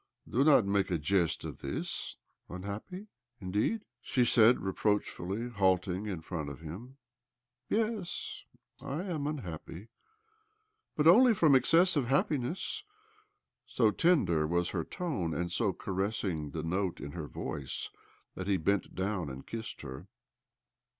" Do not make a jest of this." "Unhappy, indeed?" she said reproach fully, halting in front of him. " Yes, I am unhappy—but only from excess of happi ness." So tender was her tone, and so caressing the note in her voice, that he bfent down and kissed her.